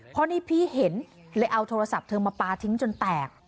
พอในพีเห็นเลยเอาโทรศัพท์เธอมาปลาทิ้งจนแตก